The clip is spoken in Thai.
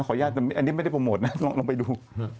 ขออนุญาตอันนี้ไม่ได้โปรโมทลองไปดู